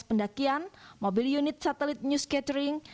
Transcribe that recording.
pendakian mobil unit satelit news catering